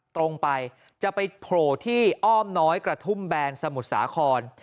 ตรงไปจะไปโผล่ที่อ้อมน้อยกระทุ่มแบนสมุทรสาคร